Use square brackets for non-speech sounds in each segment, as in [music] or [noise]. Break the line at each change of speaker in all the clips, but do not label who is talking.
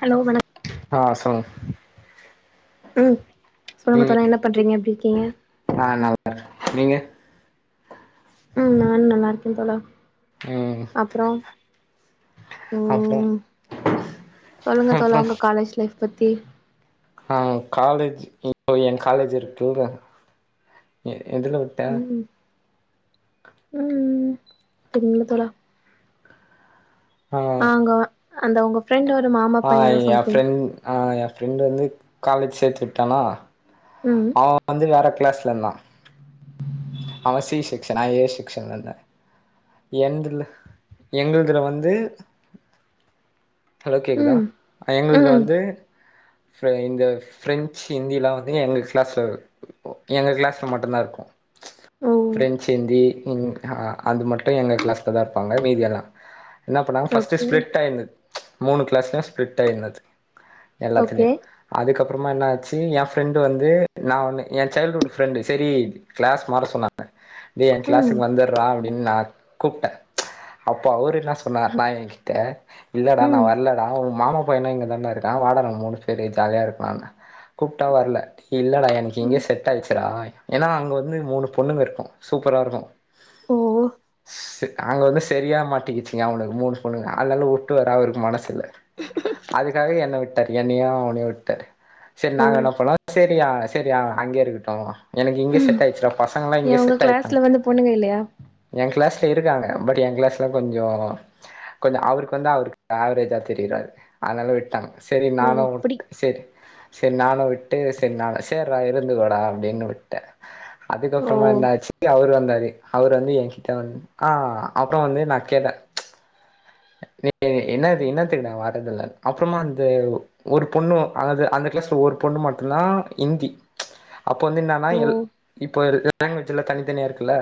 hello வணக்
ஆ சொல்லுங்
ம் சொல்லுங்க
ம்
தோழா என்ன பண்றீங்க எப்டி இருக்கீங்க
[inaudible] நீங்க
ம் நானு நல்லா இருக்கே தோழர்
ம் அப்றோ
ம் சொல்லுங்க
அப்றோ
தோழா உங்க காலேஜ் லைஃப் பத்தி
ஆ காலேஜ் இப்ப எ காலேஜ் இருக்குள்ள எதுல வுட்
ம் ம் ம் சொல்லுங்க தோழா
ஆ
அங்க அந்த உங்க ஃப்ரெண்டோட மாமா
ஆ
பைய ஏதோ
எ
சம்திங்
ஃப்ரெண்ட் ஆ எ ஃப்ரெண்டு வந்து காலேஜ் சேத்து விட்டானா
ம்
அவ வந்து வேற கிளாஸ்ல இந்தா அவ சி செக்ஷன் நா ஏ செக்ஷன் ல இருந்தே என்துல எங்களதுல வந்து ஹலோ கேக்குதா
ம்
எங்கள்துல
ம்
வந்து ஃபெ இந்த பிரெஞ்சு ஹிந்தில்லா வந்து எங்க கிளாஸ்ல எங்க கிளாஸ்ல மட்டுதா இருக்கு
ஓ
ஃப்ரெஞ்சு ஹிந்தி அ அ அது மட்டு எங்க கிளாஸ்ல் தா இருப்பாங்க மீதியெல்லா என்ன பண்ணாங்க ஃபஸ்ட்டு
ஓகே
ஸ்பிளிட் ஆயிருந்தது மூணு கிளாஸ்லையு ஸ்பிளிட் ஆயிருந்தது
ஓகே
எல்லாத்திலையு அதுக்கப்பறமா என்ன ஆச்சு எ ஃப்ரெண்டு வந்து நா ஒண்ணு எ சைல்ட்ஹுட் ஃப்ரெண்டு செரி கிளாஸ் மாற சொன்னாங்க டே எ
ம்
கிளாஸ்சுக்கு வந்தர்றா அப்டின்னு நா கூப்ட்டே அப்ப அவரு என்ன சொன்னார்னா ஏகிட்ட இல்லடா நா
ம்
வர்லடா உங்க மாமா பையனு இங்கதாண்டா இருக்கா வாடா மூணு பேரு ஜாலியா இருக்கலான்னு கூப்ட்டா வர்ல இல்லடா எனக்கு இங்கே
ம்
செட் ஆயிச்சுறா ஏனா அங்க வந்து ந்து மூணு பொண்ணு இருக்கு சூப்பரா இருக்கு
ஓ
அங்க வந்து செரியா மாட்டிக்கிச்சிங்க அவனுக்கு மூணு பொண்ணுங்க அதனால வுட்டு வர அவருக்கு மனஸ் இல்ல அதுக்காக என்ன விட்டாரு என்னயு அவனையு விட்டாரு செரி
ஓ
நாங்க என்ன பண்ணோ செரிய்யா செரிய்யா அங்கே இருக்கட்டு எனக்கு இங்கே
ம்
செட் டா ஆயிச்சுலா பசங்கல்லா
ஏ
இங்க
உங்க
செட் ஆய்ட்டாங்க
கிளாஸ்ல வந்து பொண்ணுங்க இல்லையா
எ கிளாஸ்ல இருக்காங்க பட் என் கிளாஸ்ல கொஞ்சோ கொஞ்சோ அவருக்கு வந்து அவருக்கு ஆவரேஜா தெரியறாரு அதனால விட்டாங்க சரி
ஓ
நானு
அப்டி
உட்ட செரி செரி நானு விட்டு செரி நா சேரிடா இருந்துகோடா அப்டின்னு விட்ட
ஓ
அதுக்கப்புறமா என்னாச்சு அவுரு வந்தாரு அவுரு வந்து என்கிட்ட வந் ஆ அப்புறம் வந்து நா கேட்ட
[inaudible]
நீ என்னது என்னத்துக்குனா வர்றதல்ல அப்புறமா வந்து ஒரு பொண்ணு அதாவுது அந்த கிளாஸ்ல ஒரு பொண்ணு மட்டுந்தா இந்தி அப்ப வந்து என்னான்னா
ஓ
எல் இப்ப இருக் லாங்குவேஜ்ல தனித்தனியா இருக்குல்ல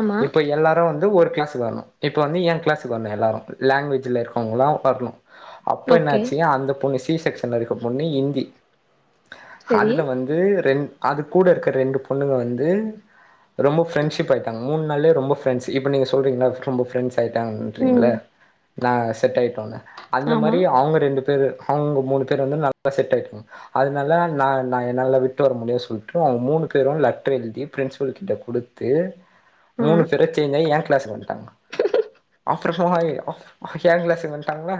ஆமா
இப்ப எல்லாரு வந்து ஒரு கிளாஸ் வரணு இப்ப வந்து எ கிளாஸுக்கு வரனு எல்லாரு லாங்குவேஜ்ல இருக்கிறவுங்களா வரணு அப்ப
ஓகே
என்னாச்சு அந்த பொண்ணு சி செக்ஷன்ல இருக்க பொண்ணு இந்தி
செரி
அதுல வந் து ரெண் அது கூட இருக்க ரெண்டு பொண்ணுங்க வந்து ரொம்ப ஃப்ரண்ட்ஷிப் ஆயிட்டாங்க மூனு நாள்ளே ரொம்ப ப்ரண்ட்ஸ் இப்ப நீ சொல்றீங்களா ரொம்ப ப்ரெண்ட்ஸ் ஆய்ட்டான்றீங்ளா
ம்
நா செட் ஆயிட்டோங்க அந்த
ஆமா
மாரி அவுங்க ரெண்டு பேரு அவுங்க மூணு பேர் வந்து நல்லா செட் ஆயிட்டாங்க அதனால நா நா என்னால விட்டு வர முடியா சொல்ட்டு அவுங்க மூணு பேரு லெட்ரு எழுதி பிரின்சிபல் கிட்ட குடுத்து
ஆ
மூணு பேரு சேஞ்சாயி எ கிளாஸ்கு வந்துட்டாங்க அப்புறமா அப் என் கிளாஸ்கு வன்டாங்களா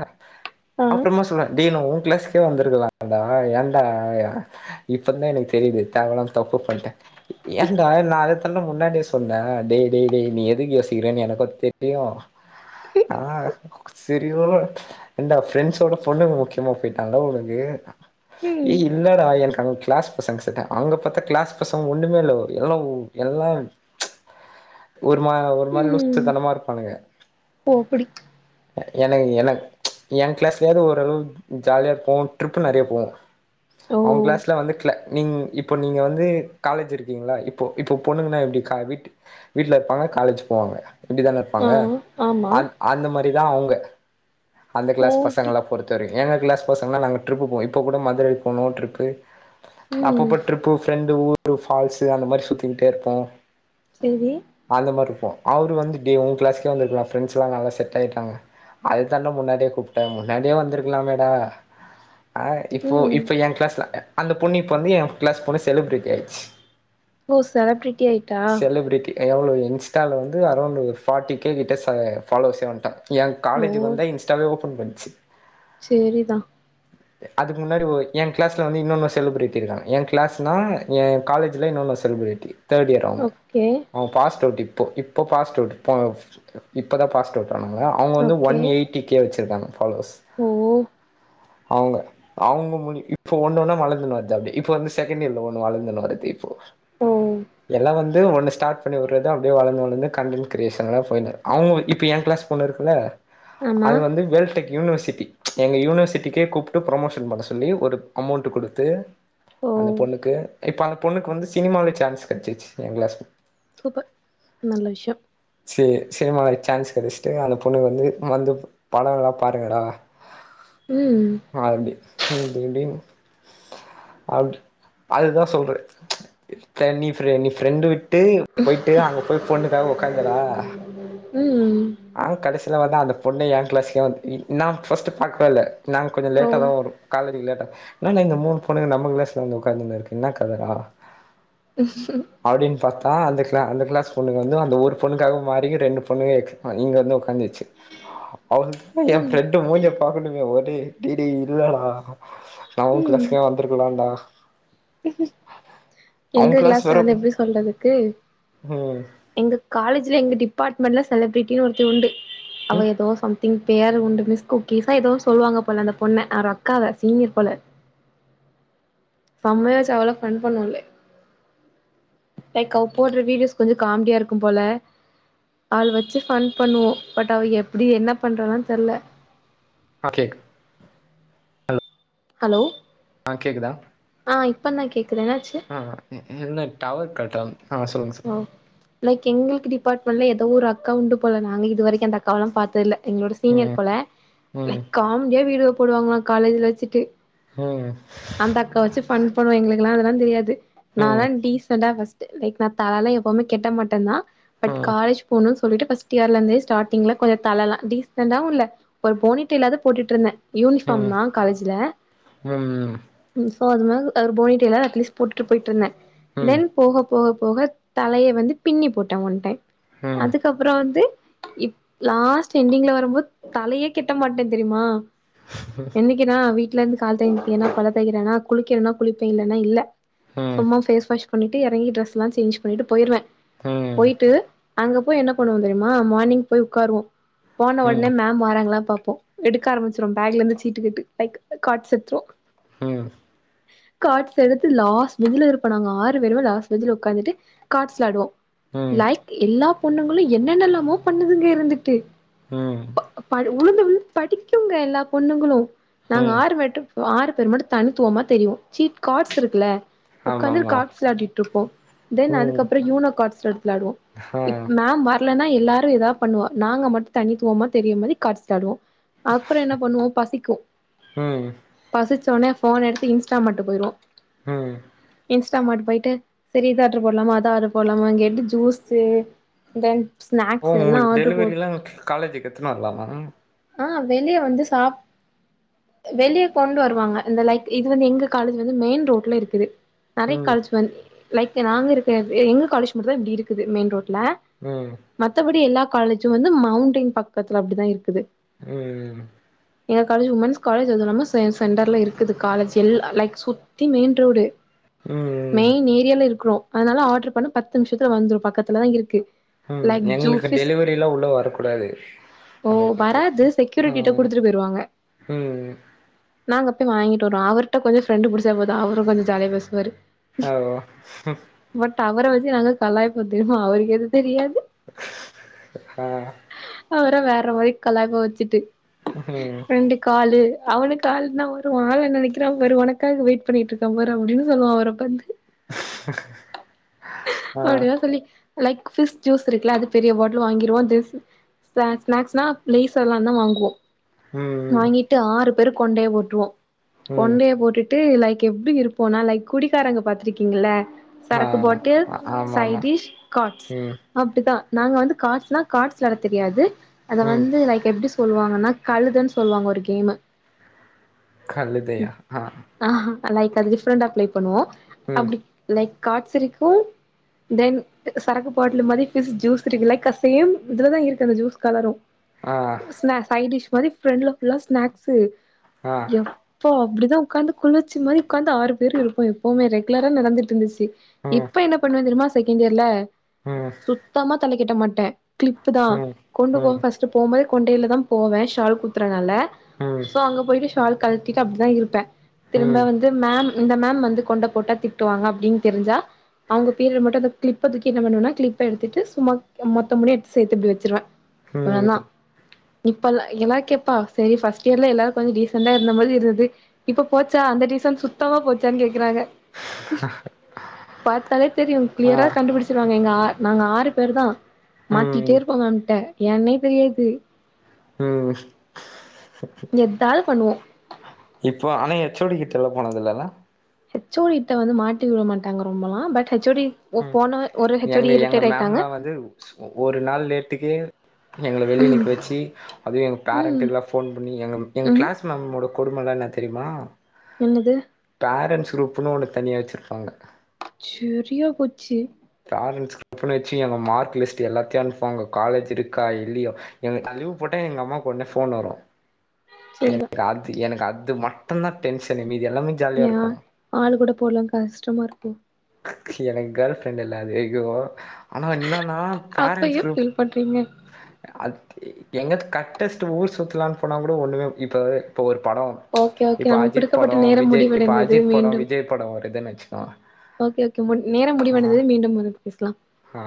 ஆ
அப்புறமா சொல்லறாங் தீன் நா உ கிளாஸ்கே வந்துருக்கலான்டா ஏன்டா எ இப்ப தா எனக்கு தெரியுது தேவ இல்லாம தப்பு பண்ட ஏன்டா நா அத தான்டா முன்னாடியே சொன்ன டேய் டேய் டேய் நீ எதுக்கு யோசிக்கிறன் எனக்கு தெரியு ஆ செரியோ ஏன்டா ஃப்ரெண்ட்ஸோட பொண்ணுங்க முக்கியமா போயிட்டாங்களா உனக்கு
ம்
ஏய் இல்லடா எனக்கு அங்க கிளாஸ் பசங்க செட்ட அவுங்க பாத்தா கிளாஸ் பசங் ஒண்ணுமே இல்ல எல்லா உ எல்லா ஒரு மா ஒரு மாரி லூசு
ம்
தனமா இருப்பானுங்க
ஓ அப்டி
எனக்கு எனக் எ கிளாஸ்லயாவது ஓரளவு ஜாலியா போவோ ட்ரிப்பு நெறைய போவோ
ஓ
அவுங்க கிளாஸ்ல வந்து நீங் இப்ப நீங்க வந்து காலேஜ் இருக்கீங்களா இப்போ இப்போ பொண்ணுங்கன்னா எப்டி வீட்டு வீட்ல இருப்பாங்க காலேஜ் போவாங்க இப்டி தான இருப்பாங்க
ஆ ஆமா
அந் அந்த மாறி தா அவுங்க அந்த
ஓ
கிளாஸ்
அப்டி
பசங்கள பொறுத் தவரைக் எங்க கிளாஸ் பசங்களா நாங்க டிரிப் போவோ இப்ப கூட மதுரை போனோ டிரிப்பு
ம்
அப்பப்ப டிரிப் பு ஃப்ரெண்டு ஊரு பால்ஸூ அந்த மாறி சுத்திக்கிட்டே இருப்போ
சேரி
அந்த மாறி இருப்போ அவரு வந்து டே உங்க கிளாஸ்ஸு எங்களுக்லா ஃப்ரெண்ட்ஸ்ல்லா நல்லா செட் ஆயிட்டாங்க அதுதான்டா முன்னாடியே கூப்ட்ட முன்னாடியே வந்திருக்கலாமேடா ஆ இப்போ
ம்
இப்ப எ கிளாஸ்ல அந்த பொண்ணு வந்து எ கிளாஸ் போல செலிப்பிரிட்டி ஆயிட்டு
ஓ செலபிரிட்டி ஆயிட்
செலிபிரிட்டி எவ்ளோ இன்ஸ்டால வந்து அரௌண்ட் ஒரு ஃபார்ட்டி கே கிட்ட ச ஃபாலோஸ்சே வந்துட்டா எ
ஓ
காலேஜுக்கு வந்துதா இன்ஸ்டாவே ஓப்பன் பண்ணுச்சு
சேரிதா
அதுக்கு முன்னாடி எ கிளாஸ்ல வந்து இன்னொன்னு செலிபிரிட்டி இருக்காங்க எ கிளாஸ்னா எ காலேஜில இன்னொன்னு செலிபிரிட்டி தேர்ட் இயர் அவுங்க
ஓகே
அவ பாஸ்ட் அவுட் இப்போ இப்போ பாஸ்டு அவுட் இப்போ இப்ப தா பாஸ்டு அவுட் ஆனாங்க அவுங்க வந்து one
okay
eight D K வெச்சிருக்காங்க ஃபாலோவஸ்
ஓ
அவுங்க அவுங்க முடி இப்போ ஒன்னொன்னா வளந்துன் வருது அப்டி இப்ப வந்து செகண்ட்யேர்ல வ வளந்துனு வருது இப்போ
ஓ
எல்லா வந் து ஒன்னு ஸ்டாட் பண்ணி வுட்றது அப்டியே வளந்து வளந்து கண்டென்ட் கிரியேஷன்ல ஃபைனல் அவுங்க இப்ப எ க்ளாஸ் பொண்ணு இருக்குல்ல
ஆமா
அது வந்து வேல் டெக் யூனிவர்சிட்டி எங்க யூனிவர்சிட்டிக்கே கூப்ட்டு ப்ரொமோஷன் பண்ண சொல்லி ஒரு அமௌண்ட்டு குடுத்து
ஓ
அந்த பொண்ணுக்கு இப்ப அந்த பொண்ணுக்கு வந்து சினிமாலே சான்ஸ் கெட்ச்சிச்சு எங் க்ளாஸ்
சூப்பர் நல்ல விஷ்யோ
சேர் சினிமாலே சான்ஸ் கெடஸ்ட்டு அந்த பொண்ணு வந்து வந்து படங்களா பாருங்கடா
ம்
அப்டி இப்டிஇப்டின் அப்டி அதுதா சொல்றே தனி ஃபரெ நீ ஃப்ரெண்டு விட்டு போய்ட்டு அங்க போய் பொண்ணுக்காக உக்காஞ்சடா
ம் ம்
ஆ கடசில பாத்தா அந்த பொண்ணே ஏங் க்ளாஸ்தா இ நா ஃபஸ்ட்டு பாக்வேல்ல நாங்க கொஞ்சோ
ஓ
லேட்டாதா வருவோ காலேஜுக்கு லேட்டா இன்னான்டா இந்த மூனு பொண்ணுங்க நம்ம க்ளாஸ்ல வந்து உக்காந்துனிரு க்கு இன்னா கதடா அப்டின் பாத்தா அந்த க்ள அந்த கிளாஸ் பொண்ணுங்க வந்து அந்த ஒரு பொண்ணுக்காக மாறி ரெண்டு பொண்ணுங்காய்க்கு இங்க வந்து உக்காந்துருச்சு அவு எ
ம்
ஃப்ரெண்டு மூஞ்ச பாக்கணுமே ஒரே டேய் டேய் இல்லடா நா உ
ம்
க்ளாஸ்ல வந் துருக்கலாண்டா அவ
எங்க
கிளாஸ்
க்ளாஸ்ல
வேற
வந்து எப்டி சொல்றதுக்கு
ம்
எங்க காலேஜில எங்க டிபாட்மெண்ட்ல செலிப்ரிட்டி ஒருத்தி உண்டு அவ எதோ சம் திங் பேர் உண்டு மிஸ் குக்கீஸா எதோ சொல்லுவாங்க போல அந்த பொண்ண வேர் அக்காவ சீனியர் போல சம்மையா வெச் அவல ஃபன் பண்வோ லைக் அவ போட்ற வீடியோஸ் கொஞ்ச காம்டியா இருக்கும்போல அவ்ள வெச்சு ஃபன் பண்ணுவோ பட் அவ எப்டி என்ன பண்றான்லா தெர்ல
ஆகே
ஹலோ
ஆ கேக்குதா
ஆ இப்பந்தா கேக்குது என்னாச்சு
அ இ இல்ல டவர் கட்டாவ் அ அ சொல்லுங்க சார்
ஒ லைக் எங்களுக்கு டிபாட்மெண்ட்ல எதோ ஒரு அக்காவுண்டு போல நாங்க இது வரைக்கு அந்த அக்காவலா பாத்த இல்ல எங்களோட சீனியர்
ம்
போல
ம்
லைக் காம்டியா வீடியோ போடுவாங்களா காலேஜ்ல வெச்சுட்டு
ம்
அந்த அக்கா வெச்சு ஃபன் பண்ணுவோ எங்களுக்குலா அதெல்லா தெரியாது நாலா
ம்
டீசென்ட்டா ஃபஸ் டு லைக் நா தலலா எப்பவுமே கெட்ட மாட்டந்தா பட்
ம்
காலேஜ் போணுன் சொல்லிட்டு ஃபஸ்ட் இயர்லெந்து ஸ்டாடிங்ல கொஞ்ச தலலா டீசண்டாவு இல்ல ஒரு போனிட்டெய்லாது போட்டுட்ருந்தே
ம்
யூனிஃபாம்தா காலேஜில
ம்
ம் சோ அது மாரி ஒரு போனிடெய்லாது அட்லீஸ் போட்டு போய்ட்ருந்தே
ம்
தென் போக போக போக தலய வந்து பின்னி போட்ட ஒன் டைம்
ம்
அதுக்கப்புறோ வந்து இப் லாஸ்ட் எண்டிங்ல வரும்போது தலையே கெட்ட மாட்ட தெரியுமா என்னைக் வீட்ல இருந்து [unintelligible] பல்ல தேக்கிறனா குளிக்கிறனா குளிப்பே இல்லன்னா இல்ல
ம் ம் ம்
சும்மா பேஸ் வாஷ் பண்ணிட்டு எறங்கி டிரெஸ் எல்லா சேஞ்ச் பண்ணிட்டு போயிருவே போயிட்டு அங்க போய் என்ன பண்ணுவோ தெரியுமா மார்னிங் போய் உக்காருவோ போன ஒட்னே மேம் வாறாங்களா பாப்போ எடுக்க ஆரம்பிச்சிடுவோ பேக்ல இருந்து சீட்டுக்கட்டு நெக் கால்ஸ் எடுத்துருவோ
ம்
கார்ஸ் எடுத்து லாஸ்ட் பெஞ்சில இருப்போ நாங்க ஆறு பேருமே லாஸ்ட் பெஞ்ல உக்காந்துட்டு காட்ஸ் வெளாடுவோ
ம் ம்
லைக் எல்லா பொண்ணுங்களு என்னென்னல்லாமோ பண்ணுதுங்க இருந்துட்டு
ம்
பாரு வுளுந்து விழுந்து படிக்குங்க எல்லா பொண்ணுங்களு நாங்க
ம்
ஆறு [unintelligible] ஆறு பேர் மட்டு தணித்துவமா தெரியுவோ சீட் காட்ஸ் இருக்குல உக்காந்து
ஆமாமா
கார்ட்ஸ் விளாடிட்டு இருப்போ தென்
ம்
அதுக்கப்றோ யூனா காட்ஸ் விளாடுவோ
ஆ
இப் மேம் வரலன்னா எல்லாரு ஏதாவது பண்ணுவா நாங்க மட்டு தனித்துவமா தெரியர மாதிரி காட்ஸ் வெளாடுவோ அப்றோ என்ன பண்ணுவோ பசிக்கு
ம்
பசிச்சோனே ஃபோன் எடுத்து இன்ஸ்டா மாட் போயிருவோ
ம்
இன்ஸா இன்ஸ்ட்டாமார்ட் போயிட்டு செரி இத ஆர்டர் போட்லாமா அத ஆர்டர் போட்லாமா கேட்டு ஜூஸு தென்
ஓ
ஸ்நாக்ஸ் எல்லா
உங்களுக்கு
ஆர்ரு போட்
டெலிவரிலா காலேஜுக்கு எத்துனு வரலாமா
ஆ வெளிய வந்து சாப்ட் வெளிய கொண்டு வருவாங்க இந்த லைக் இது வந்து எங்க காலேஜ் வந்து மெயின் ரோட்ல இருக்குது நெறைய
ம்
காலேஜ் வந்து லைக் நாங்க இருக்க எங்க காலேஜ் மட்டு தா இப்டி இருக்குது மெயின் ரோட்ல
ம்
மத்தபடி எல்லா காலேஜ்சு வந்து மவுண்டென் பக்கத்துல அப்டிதா இருக்குது
ம் ம்
எங்க காலேஜ் உமன்ஸ் காலேஜ் அது இல்லாம சென்டர்ல இருக் க்குது காலேஜ் எல்லா லைக் சுத்தி மெயின் ரோடு
ம்
மெயின் ஏரியால இருக்கிறோ அதனால ஆர்டர் பண்ண பத்து நிமிஷத்துல வந்துரு பக்கத்துலதா இருக்கு
ம்
லைக்
எங்களுக்கு
ஜூஃபிஸ்
டெலிவரி எல்லா உள்ள வரக்கூடாது
ஓ வராது செக்யூரிட்டிட்ட
ம்
குடுத்துட்டு போயிருவாங்க
ம்
நாங்க போய் வாங்கிட்டு வருவோ அவர்கிட்ட கொஞ்சோ ஃப்ரெண்டு புடிச்சா போது அவரு கொஞ்சோ ஜாலிய பேசுவாரு
ஓ
பட் அவர வெச்சு நாங்க கலாய்ப்போ தெரியுமா அவருக்கு அது தெரியாது
ஆ
அவற வேற மாரி கலாய்ப்போ வெச்சுட்டு
ம்
ரெண்டு காளு அவனுக்கு கால் தா வரு [unintelligible] ஆளு நிக்கிறா பாரு உனக்காக வெயிட் பண்ணிட்டு இருக்கா பாரு அப்டின்னு சொல்லுவா அவர பாத்து
ஆ
அப்டிலா சொல்லி லைக் பிஸ் ஜூஸ் இருக்குல்ல அது பெரிய பாட்டில் வாங்கிருவா ஸ்நாக்ஸ்னா லேஸ் எல்லா தா வாங்குவோ
ம்
வாங்கிட்டு ஆறு பேர் கொண்டைய போட்டுருவோ
ம்
கொண்டைய போட்டுட்டு லைக் எப்டி இருப்போம்னா லைக் குடிக்காரங்க பாத்திருக்கீங்கள
ஆ
சரக்கு பாட்டில்
ஆமாமா
சைடிஷ் காட்ஸ்
ம்
அப்டிதா நாங்க வந்து காட்ஸ் காட்ஸ் வெளாட தெரியாது அத
ம்
வந்து லைக் எப்டி சோ சொல்லுவாங்கன்னா கழுதன்னு சொல்லுவாங்க ஒரு கேமு
கழுதையா ஆ
ஆ லைக் அது டிஃப்ரெண்டா ப்ளே பண்ணுவோ
ம்
அப்டி லைக் காட்ஸ் இருக்கு தென் சரக்கு பாட்லு மாதிரி பிஸ் ஜூஸ் இருக்குல லைக்கா சேம் இதுலதா இருக்கு அந்த ஜூஸ் கலரு
ஆ
ஸ்னா சைடிஷ் மாதிரி ஃப்ரண்ட்ல ஃபுல்லா ஸ்னாக்ஸு
ஆ
இப்போ அப்படிதா உட்காந்து குளிச்சி மாதிரி உட்காந்து ஆறு பேர் இருப்போ எப்பவுமே ரெகுலரா நடந்துட்டு இருந்துச்சு
ம்
இப்ப என்ன பண்ணுவே தெரியுமா செகண்ட்டியர்ல
ம்
சுத்தமா தல கெட்ட மாட்டே கிளிப்பு தா
ம்
கொண்டு போக
ம்
ஃபஸ்ட் போம்போதே கொண்டையில தா போவே ஷால் குத்துறனால
ம்
சோ அங்க போயிட்டு ஷால் கழட்டிட்டு அப்படிதா இருப்பே திரும்ப
ம்
வந் து மேம் இந்த மேம் வந்து கொண்ட போட்டா திட்டுவாங்க அப்டின்னு தெரிஞ்சா அவுங்க பீரியடு மட்டு கிளிப்ப தூக்கி என்ன பண்ணுவேனா கிளிப்ப எடுத்துட்டு சும்மா மொத்த முடிய எடுத்து சேத்து இப்பிடி வச்சிருவே அப்றோதா
ம்
இப்பல்லா எல்லாரு கேப்பா சேரி ஃபஸ்ட் இயர்ல எல்லாரு டீசெண்டா இந்த மாரி இருந்தது இப்ப போச்சா அந்த டீசண்ட் சுத்தமா போச்சான்னு கேக்கறாங்க பாத்தாலே தெரியு
ஆ
கிளியரா கண்டுபிடிச்சு ருவாங்க எங்க ஆற் நாங்க ஆறு பேர்தா மாட்டிக்கிட்டே
ம்
இருப்போ மேம்ட்ட ஏன்னே தெரியாது
ம்
எதாவது பண்ணுவோ
இப்போ ஆனா ஹெச் ஓடி கிட்டல்லா போனதில்லல்ல
ஹெச் ஓடிட்ட வந்து மாட்டி விட மாட்டாங்க ரொம்பலா பட் ஹெச் சோடி
ம் எங்க எங்க மேம்ல்லா வந்து ஒரு நாள் லேட்டுக்கே எங்கள வெளியே நிக்க வெச்சு அதுவு எங்க
ம்
பேரண்ட்டுக்களா ஃபோன் பண்ணி எங்க எங்க
ம்
கிளாஸ் மேம்மோட கொடுமல்லா என்ன தெரியுமா
என்னது
பேரண்ட்ஸ் குரூப்புன்னு ஒன்னு தனியா வச்சுருப்பாங்க
செரியா போச்சி
பேரண்ட்ஸ் குரூப்புன்னு வச்சு எங்க மார்க் லிஸ்ட் எல்லாத்தையு அனுப்புவாங்க காலேஜ்ருக்கா இல்லையா எங்க நா லீவு போட்டா எங்க அம்மாக்கு ஒடனே ஃபோன் வரு
சரிதா
எனக்கு அது எனக்கு அது மட் டுதா டென்ஷனே மீதி எல்லாமே ஜாலியா
ஏ
இருக்கு
ஆள் கூட போலான் கஷ்டமாருக்கோ
எனக்கு கேர்ள் ஃப்ரெண்ட்யில்ல அதிகோ ஆனா என்னன்னா
அப்ப ஏ ஃபீல் பண்றீங்க
அத் எங்கத் கட்டஸ்ட்டு ஊர் சுத்லான்னு போனா கூட ஒன்னுமே இப்ப இப்போ ஒரு படோ
ஓகே ஓகே
இப்ப
நமக்கு
அஜித்
குடுக்கப்பட்ட
படோ
நேரம்
விஜய் இப்ப
முடிவடைந்தது
அஜித் படோ
மீண்டும்
விஜய் படோ வருதுன்னு வச்சுக்கோங்க
ஓகே ஓகே முட்ட நேரம் முடிவடைந்தது மீண்டும் வரும் பேசலா
ஆ